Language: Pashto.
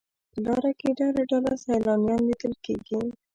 په لاره کې ډله ډله سیلانیان لیدل کېږي.